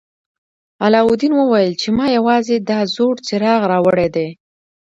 علاوالدین وویل چې ما یوازې دا زوړ څراغ راوړی دی.